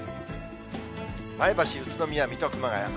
前橋、宇都宮、水戸、熊谷。